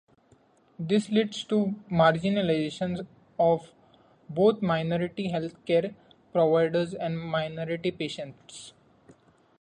This leads to marginalization of both minority healthcare providers and minority patients.